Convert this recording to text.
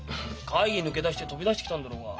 会議抜け出して飛び出してきたんだろうが。